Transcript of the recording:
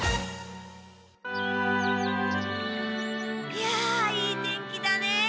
いやいい天気だね。